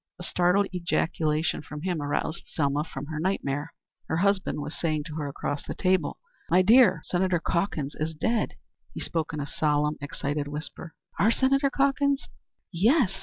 A startled ejaculation from him aroused Selma from her nightmare. Her husband was saying to her across the table: "My dear, Senator Calkins is dead." He spoke in a solemn, excited whisper. "Our Senator Calkins?" "Yes.